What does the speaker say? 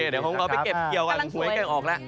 โอเคเดี๋ยวผมเอาไปเก็บเกี่ยวกันสวยกันออกละ